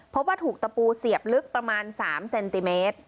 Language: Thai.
พบว่าถูกตะปูเสียบลึกประมาณ๓เซนติเมตร